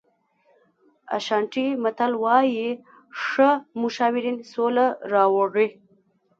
اشانټي متل وایي ښه مشاورین سوله راوړي.